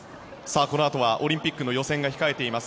このあとはオリンピックの予選が控えています。